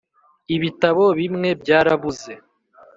ibitabo bimwe byarabuze